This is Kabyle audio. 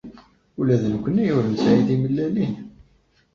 Ula d nekkni ur nesɛi timellalin.